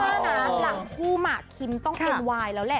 ฉันว่านะหลังผู้หมากินต้องเอ็นไวน์แล้วแหละ